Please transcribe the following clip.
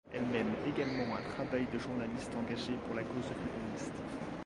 Elle mène également un travail de journaliste engagée pour la cause féministe.